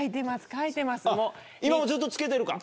今もずっとつけてるか。